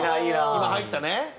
今入ったね！